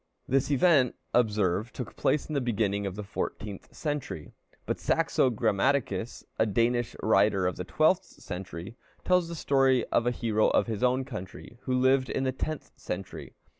This event, observe, took place in the beginning of the fourteenth century. But Saxo Grammaticus, a Danish writer of the twelfth century, tells the story of a hero of his own country, who lived in the tenth century.